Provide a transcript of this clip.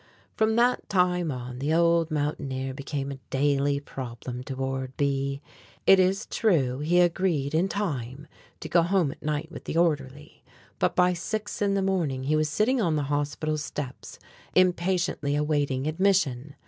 From that time on the old mountaineer became a daily problem to Ward B. It is true, he agreed in time to go home at night with the orderly; but by six in the morning he was sitting on the hospital steps, impatiently awaiting admission.